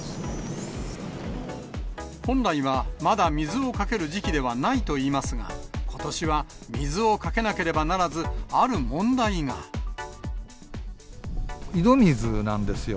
本来はまだ水をかける時期ではないといいますが、ことしは水をか井戸水なんですよ。